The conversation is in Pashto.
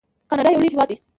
کاناډا یو لوی هیواد دی.